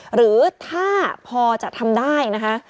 หรือถ้าพอจะทำได้นะคะ